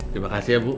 terima kasih ya bu